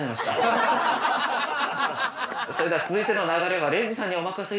「それでは続いての流れは礼二さんにお任せいたします」。